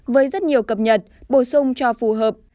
với rất nhiều cập nhật bổ sung cho phù hợp